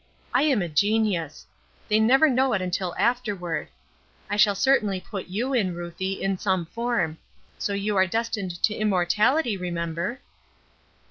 I am a genius. They never know it until afterward. I shall certainly put you in, Ruthie, in some form. So you are destined to immortality, remember."